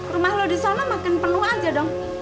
rumah lo di sana makin penuh aja dong